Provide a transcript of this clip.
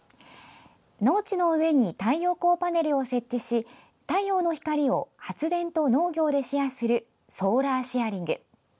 農地の上に太陽光パネルを設置し太陽の光を発電と農業でシェアするソーラーシェアリング。